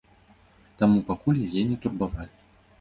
Таму пакуль яе не турбавалі.